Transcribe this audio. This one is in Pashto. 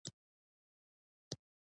د تماس نیولو په مخ کې ستونزه پېښه کړې وه.